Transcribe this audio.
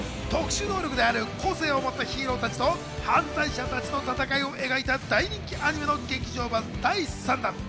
こちらは特殊能力である個性をもったヒーローたちと犯罪者たちの戦いを描いた大人気アニメの劇場版第３弾。